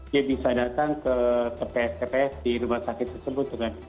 dia bisa datang ke kpps di rumah sakit tersebut juga